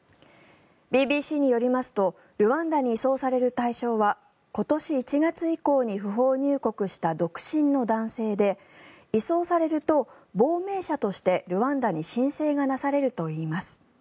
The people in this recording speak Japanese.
ＢＢＣによりますとルワンダに移送される対象は今年１月以降に不法入国した独身の男性で移送されると、亡命者としてルワンダに申請がなされるといいます。